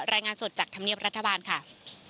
รายงานสดจากธรรมเนียบรัฐบาลค่ะ